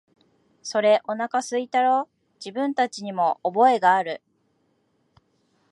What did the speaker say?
それ、おなかが空いたろう、自分たちにも覚えがある、